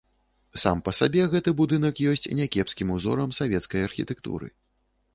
Сам па сабе гэты будынак ёсць някепскім узорам савецкай архітэктуры.